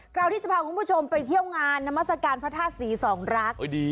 คราวนี้จะพาคุณผู้ชมไปเที่ยวงานนามัศกาลพระธาตุศรีสองรัก